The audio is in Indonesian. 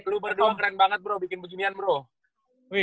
lu berdua keren banget bro bikin beginian bro